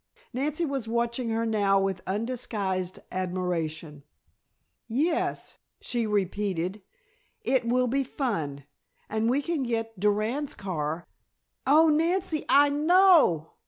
Nancy was watching her now with undisguised admiration. "Yes," she repeated, "it will be fun, and we can get Durand's car " "Oh, Nancy, I know!"